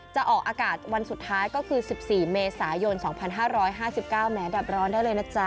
จะออกอากาศวันสุดท้ายก็คือ๑๔เมษายน๒๕๕๙แม้ดับร้อนได้เลยนะจ๊